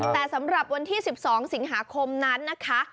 แต่สำหรับวันที่๑๒สิงหาคมนั้นนะคะ